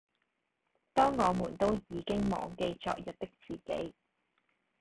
當我們都已經忘記昨日的自己